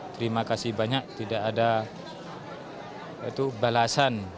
terima kasih banyak tidak ada balasan